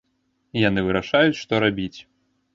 Яны вырашаюць, што рабіць.